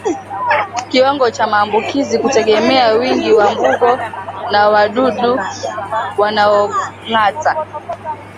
Kiwango cha maambukizi hutegemea wingi wa mbungo na wadudu wanaongata